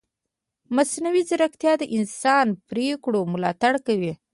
مصنوعي ځیرکتیا د انساني پرېکړو ملاتړ کوي.